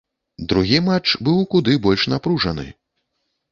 Другі матч быў куды больш напружаны.